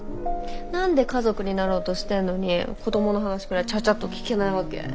何で家族になろうとしてんのに子どもの話くらいちゃっちゃっと聞けないわけ？